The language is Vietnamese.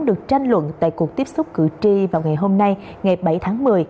được tranh luận tại cuộc tiếp xúc cử tri vào ngày hôm nay ngày bảy tháng một mươi